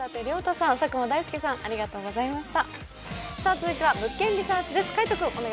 続いては「物件リサーチ」です。